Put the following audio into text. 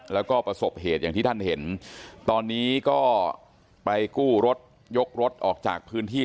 แล้วก็ประสบเหตุอย่างที่ท่านเห็นตอนนี้ก็ไปกู้รถยกรถออกจากพื้นที่